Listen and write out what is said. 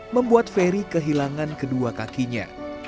membuat ferry kehilangan kedua kakinya